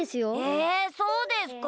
えそうですか？